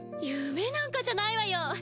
夢なんかじゃないわよ！